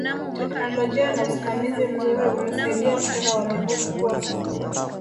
teknolojia na usimamizi mzuri umesaidia mpira wa miguu kukua